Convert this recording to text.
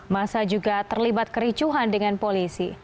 masa juga terlibat kericuhan dengan polisi